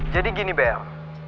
jadi gini bel